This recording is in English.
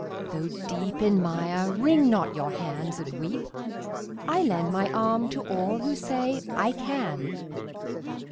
Though deep in mire, wring not your hands and weep; I lend my arm to all who say "I can!"